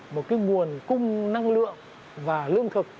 một nguồn cung năng lượng và lương thực